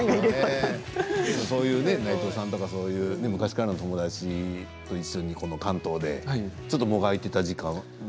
内藤さんとか昔からの友達と一緒に関東で、ちょっともがいていた時間も。